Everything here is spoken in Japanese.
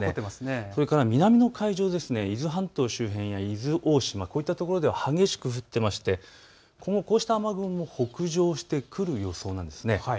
それから南の海上、伊豆半島周辺や伊豆大島、こういったところでは激しく降っていましてこうした雨雲も北上してくる予想なんです。